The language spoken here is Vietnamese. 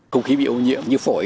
công khí bị ô nhiễm như phổi